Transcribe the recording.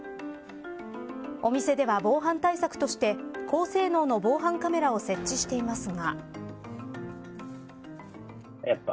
お店では、防犯対策として高性能の防犯カメラを設置していますが。